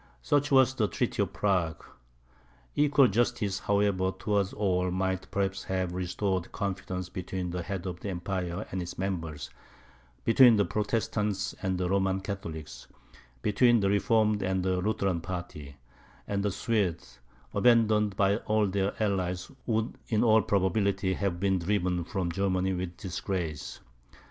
Such was the treaty of Prague. Equal justice, however, towards all, might perhaps have restored confidence between the head of the Empire and its members between the Protestants and the Roman Catholics between the Reformed and the Lutheran party; and the Swedes, abandoned by all their allies, would in all probability have been driven from Germany with disgrace.